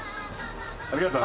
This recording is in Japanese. ありがとう。